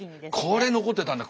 これ残ってたんだ。